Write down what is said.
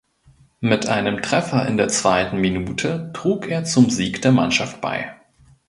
Mit einem Treffer in der zweiten Minute trug er zum Sieg der Mannschaft bei.